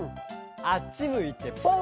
あっちむいてぽん！